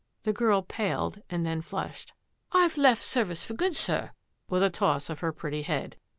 The girl paled and then flushed. " I've left service for good, sir," with a toss of her pretty head.